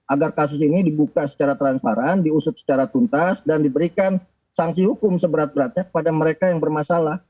agar kasus ini dibuka secara transparan diusut secara tuntas dan diberikan sanksi hukum seberat beratnya kepada mereka yang bermasalah